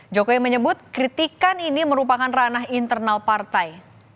jokowi menyebut kritikan ini merupakan ranah internal partai